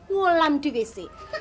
wolam di wc